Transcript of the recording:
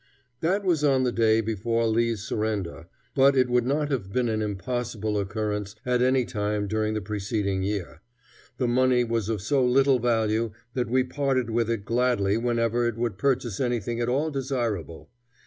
That was on the day before Lee's surrender, but it would not have been an impossible occurrence at any time during the preceding year. The money was of so little value that we parted with it gladly whenever it would purchase anything at all desirable.